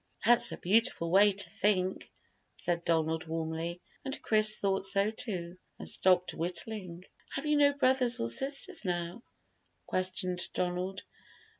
"That's a beautiful way to think," said Donald warmly, and Chris thought so too, and stopped whittling. "Have you no brothers or sisters now?" questioned Donald.